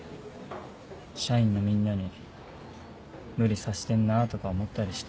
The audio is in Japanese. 社員のみんなに無理させてんなとか思ったりして。